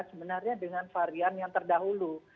sebenarnya dengan varian yang terdahulu